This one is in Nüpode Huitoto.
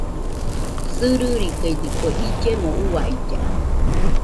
Sɨririkaidɨkue illemo uailla.